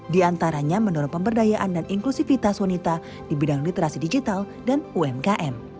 di antaranya mendorong pemberdayaan dan inklusivitas wanita di bidang literasi digital dan umkm